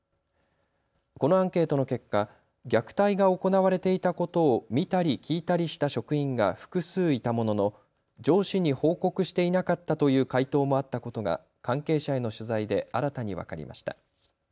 このアンケートの結果、虐待が行われていたことを見たり聞いたりした職員が複数いたものの上司に報告していなかったという回答もあったことが関係者への取材で新たに分かりました。